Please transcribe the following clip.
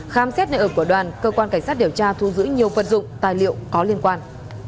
khám xét nơi ở của đoàn cơ quan cảnh sát điều tra thu giữ nhiều vật dụng tài liệu có liên quan